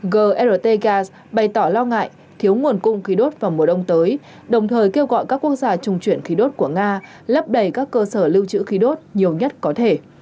grtgas bày tỏ lo ngại thiếu nguồn cung khí đốt vào mùa đông tới đồng thời kêu gọi các quốc gia trung chuyển khí đốt của nga lấp đầy các cơ sở lưu trữ khí đốt nhiều nhất có thể